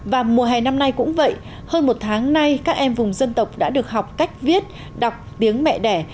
và mùa hè năm nay cũng vậy hơn một tháng nay các em vùng dân tộc đã được học cách viết đọc tiếng mẹ đẻ